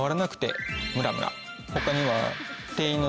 他には。